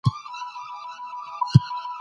تاسو ولي په خپلو کارونو کي دومره بې غوري کوئ؟